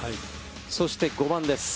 そして、５番です。